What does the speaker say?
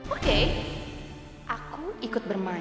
oke aku ikut bermain